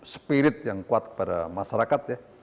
spirit yang kuat kepada masyarakat ya